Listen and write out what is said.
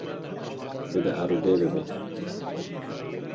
Tu dê arode bibî.